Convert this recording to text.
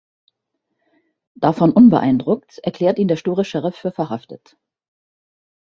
Davon unbeeindruckt erklärt ihn der sture Sheriff für verhaftet.